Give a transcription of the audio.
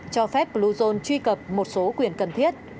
cho phép bluezone truy cập một số quyền cần thiết